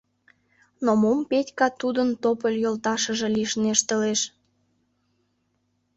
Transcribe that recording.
Но мом Петька тудын тополь-йолташыже лишне ыштылеш?